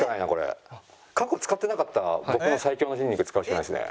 過去使ってなかった僕の最強の筋肉使うしかないですね。